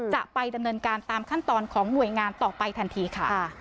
จะไปดำเนินการตามขั้นตอนของหน่วยงานต่อไปทันทีค่ะ